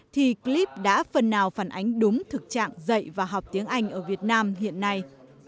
thì clip đã phần nào phản ánh đúng thực trạng dạy và học tiếng anh ở việt nam hiện nay